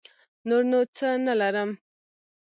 نور نو څه نه لرم.